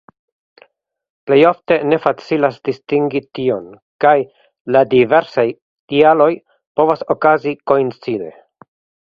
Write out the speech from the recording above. Plej ofte ne facilas distingi tion kaj la diversaj tialoj povas okazi koincide.